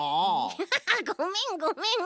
ハハハごめんごめん。